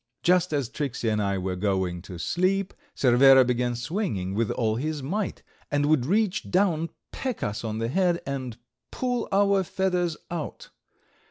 Just as Tricksey and I were going to sleep Cervera began swinging with all his might, and would reach down, peck us on the head and pull our feathers out.